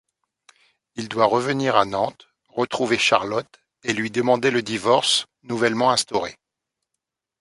Il doit revenir à Nantes retrouver Charlotte et lui demander le divorce, nouvellement instauré.